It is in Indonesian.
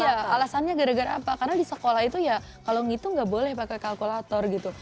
iya alasannya gara gara apa karena di sekolah itu ya kalau ngitu nggak boleh pakai kalkulator gitu